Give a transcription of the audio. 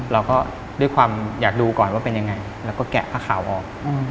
เราก็ด้วยความอยากดูก่อนว่าเป็นยังไงแล้วก็แกะผ้าขาวออก